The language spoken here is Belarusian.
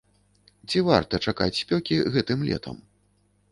Ці варта чакаць спёкі гэтым летам?